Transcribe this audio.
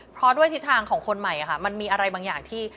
เพราะด้วยทิศทางของคนใหม่มันมีอะไรบางอย่างที่